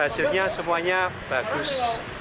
hasilnya semuanya bagus